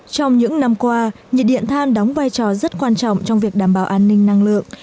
trong những năm qua nhiệt điện than đóng vai trò rất quan trọng trong việc đảm bảo an ninh năng lượng